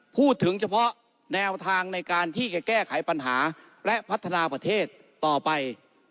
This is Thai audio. พูดถึงเฉพาะแนวทางในการที่จะแก้ไขปัญหาและพัฒนาประเทศต่อไป